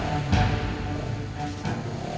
terima kasih untuk semua performer